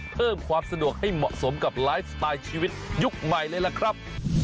เพิ่มความสะดวกให้เหมาะสมกับไลฟ์สไตล์ชีวิตยุคใหม่เลยล่ะครับ